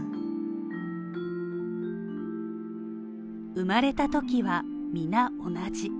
生まれたときは皆同じ。